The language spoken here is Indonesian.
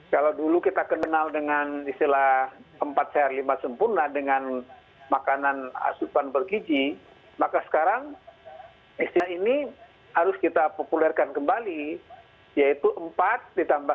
kalau dulu kita kenal dengan istilah empat sehat lima sempurna dengan makanan asupan bergiji maka sekarang istilah ini harus kita populerkan kembali yaitu empat ditambah